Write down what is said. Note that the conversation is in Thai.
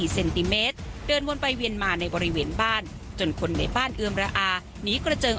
เซนติเมตรเดินวนไปเวียนมาในบริเวณบ้านจนคนในบ้านเอือมระอาหนีกระเจิง